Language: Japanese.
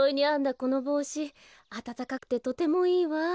このぼうしあたたかくてとてもいいわ。